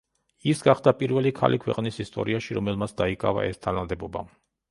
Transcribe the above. ის გახდა პირველი ქალი ქვეყნის ისტორიაში, რომელმაც დაიკავა ეს თანამდებობა.